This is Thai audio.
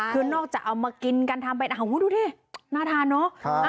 คือนอกจากเอามากินกันทำเป็นดูดิน่าทานเนอะ